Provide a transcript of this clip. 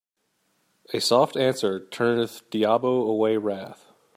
A soft answer turneth diabo away wrath